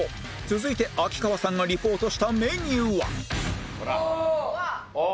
続いて秋川さんがリポートしたメニューはああ！